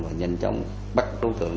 và nhanh chóng bắt đối tượng